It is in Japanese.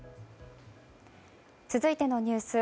続いてのニュース。